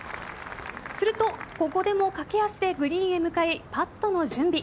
すると、ここでも駆け足でグリーンへ向かいパットの準備。